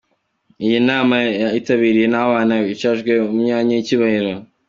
Iyi nama yitabiriwe n’ abana… bicajwe mu myanya y’icyubahiro.